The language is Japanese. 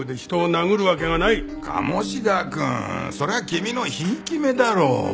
鴨志田くんそれは君のひいき目だろう。